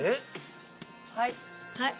はい。